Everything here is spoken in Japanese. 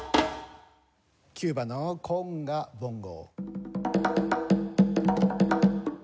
キューバのコンガボンゴ。